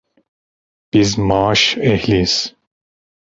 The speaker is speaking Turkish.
Biz maaş ehliyiz…